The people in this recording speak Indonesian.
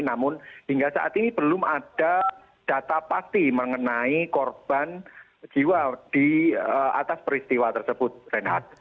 namun hingga saat ini belum ada data pasti mengenai korban jiwa di atas peristiwa tersebut reinhardt